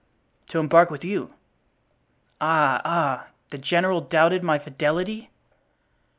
"To embark with you." "Ah! ah! the general doubted my fidelity?"